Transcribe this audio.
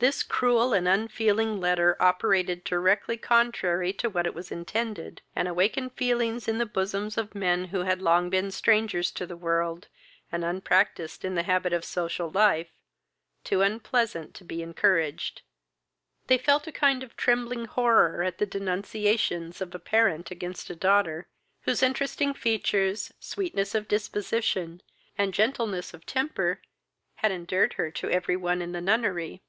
This cruel and unfeeling letter operated directly contrary to what it was intended, and awakened feelings in the bosoms of men who had long been strangers to the world, and unpracticed in the habits of social life, too unpleasant to be encouraged. They felt a kind of trembling horror at the denunciations of a parent against a daughter, whose interesting features, sweetness of disposition, and gentleness of temper, had endeared her to every one in the nunnery.